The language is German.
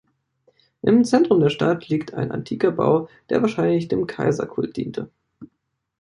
Im Zentrum der Stadt liegt ein antiker Bau, der wahrscheinlich dem Kaiserkult diente.